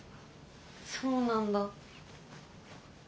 そうなんだ。